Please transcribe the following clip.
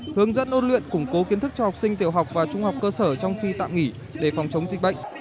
hướng dẫn ôn luyện củng cố kiến thức cho học sinh tiểu học và trung học cơ sở trong khi tạm nghỉ để phòng chống dịch bệnh